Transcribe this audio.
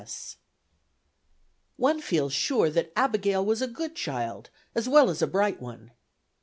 S." One feels sure that Abigail was a good child, as well as a bright one.